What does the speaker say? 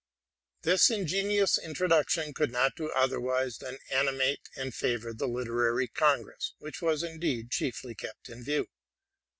136 TRUTH AND FICTION This ingenious introduction could not do otherwise than animate and favor the literary congress, which was, indeed, chiefly keptin view.